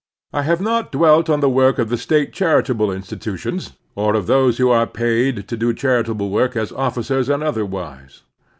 I have not dwelt on the work of the State chari Civic Helpfulness ':>/. lox table institutions, or of those who are paid fe do charitable work as officers and otherwise.